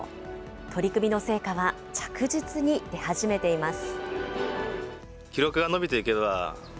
取り組みの成果は着実に出始めています。